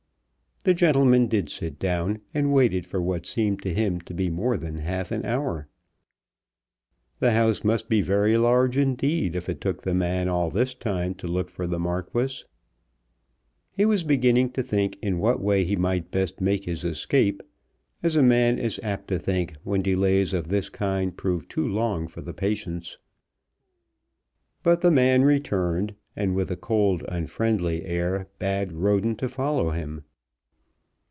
The gentleman did sit down, and waited for what seemed to him to be more than half an hour. The house must be very large indeed if it took the man all this time to look for the Marquis. He was beginning to think in what way he might best make his escape, as a man is apt to think when delays of this kind prove too long for the patience, but the man returned, and with a cold unfriendly air bade Roden to follow him.